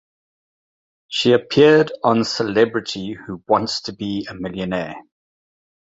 She appeared on Celebrity Who Wants To Be A Millionaire?